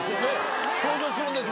登場するんですもんね。